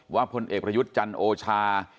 พลเอกประยุทธ์จันทร์โอชา